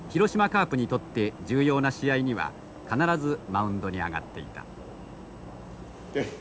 カープにとって重要な試合には必ずマウンドに上がっていた。